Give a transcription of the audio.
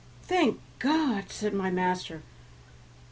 "Thank God!" said my master.